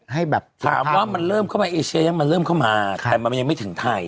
ให้แบบถามว่ามันเริ่มเข้ามาเอเชียยังมันเริ่มเข้ามาแต่มันยังไม่ถึงไทย